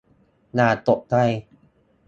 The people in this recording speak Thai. อย่าตกใจ